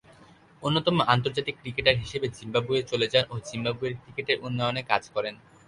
অন্যতম আন্তর্জাতিক ক্রিকেটার হিসেবে জিম্বাবুয়ে চলে যান ও জিম্বাবুয়ের ক্রিকেটের উন্নয়নে কাজ করেন।